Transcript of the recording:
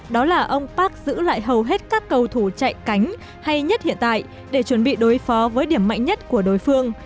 đó là ông park giữ lại hầu hết các cầu thủ chạy cánh hay nhất hiện tại để chuẩn bị đối phó với điểm mạnh nhất của đối phương